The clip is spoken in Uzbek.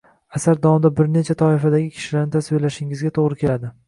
Asar davomida bir necha toifadagi kishilarni tasvirlashingizga to’g’ri keladi